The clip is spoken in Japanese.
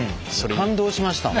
感動しました。